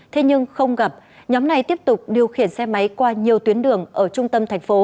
thế nhưng không gặp nhóm này tiếp tục điều khiển xe máy qua nhiều tuyến đường ở trung tâm